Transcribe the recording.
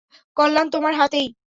কল্যাণ তোমার হাতেই।